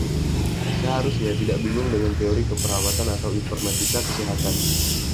Seharusnya tidak bingung dengan teori keperawatan atau informatika kesehatan.